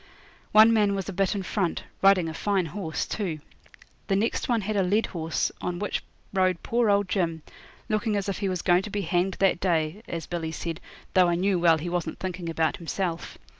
One man was a bit in front riding a fine horse, too. The next one had a led horse, on which rode poor old Jim, looking as if he was going to be hanged that day, as Billy said, though I knew well he wasn't thinking about himself.